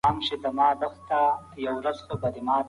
د دوی اصلي توپیر د پاملرني په ټکي کي دی.